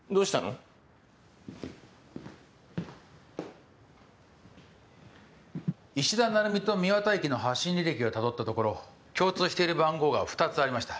衣氏田鳴海と美和大樹の発信履歴をたどったところ共通している番号が２つありました。